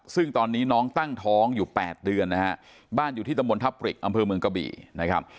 ซึ่งตอนนี้น้องตั้งท้องอยู่๘เดือนนะฮะบ้านอยู่ที่ตำบลทับปริกอำเภอเมืองกะบี่นะครับ